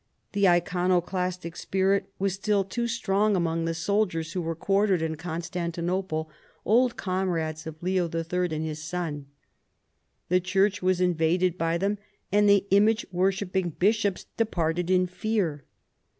The Iconoclastic spirit was still too strong among the soldiers who were quartered in Constantinople, old comrades of Leo III. and his son. The church was invaded by them, and the image w^orshipping bishops departed in fear.